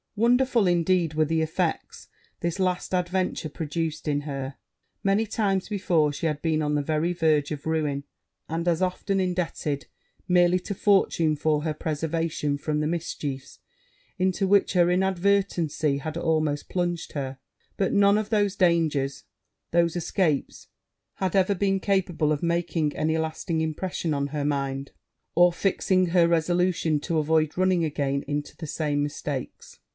Wonderful, indeed, were the effects this last adventure produced in her. Many times before she had been on the very verge of ruin, and as often indebted merely to fortune for her preservation from the mischiefs into which her inadvertency had almost plunged her: but none of those dangers, those escapes, had ever been capable of making any lasting impression on her mind, or fixing her resolution to avoid running again into the same mistakes.